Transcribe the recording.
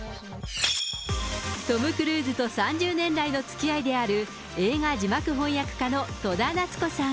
トム・クルーズと３０年来の付き合いである、映画字幕翻訳家の戸田奈津子さん。